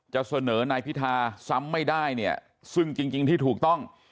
จะเสนอในพิทาซ้ำไม่ได้ซึ่งจริงที่ถูกต้อง